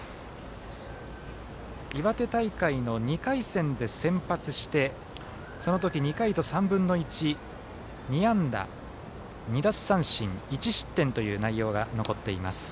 岩手大会の２回戦で先発してその時、２回と３分の１２安打２奪三振１失点という内容が残っています。